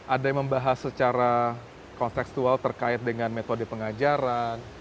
anda membahas secara konteksual terkait dengan metode pengajaran